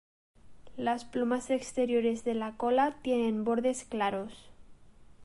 Las plumas exteriores de la cola tienen bordes claros.